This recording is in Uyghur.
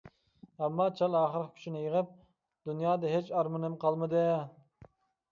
ئەمما چال ئاخىرقى كۈچىنى يىغىپ:-دۇنيادا ھېچ ئارمىنىم قالمىدى.